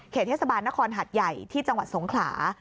เทศบาลนครหัดใหญ่ที่จังหวัดสงขลา